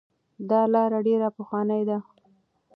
دا لاره ډیره پخوانۍ ده.